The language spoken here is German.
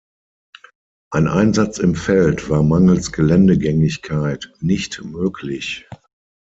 Ein Einsatz im Feld war mangels Geländegängigkeit nicht möglich.